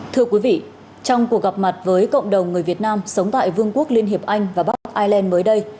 thưa quý vị trong cuộc gặp mặt với cộng đồng người việt nam sống tại vương quốc liên hiệp anh và bắc ireland mới đây